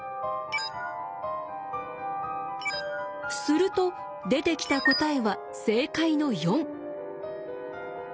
すると出てきた答えは正解の４。